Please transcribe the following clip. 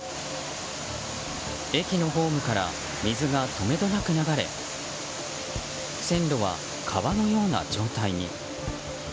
駅のホームから水がとめどなく流れ線路は川のような状態に。